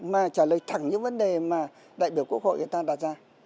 mà trả lời thẳng những vấn đề mà đại biểu quốc hội người ta đặt ra